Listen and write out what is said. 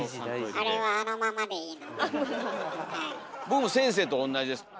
僕先生と同じです。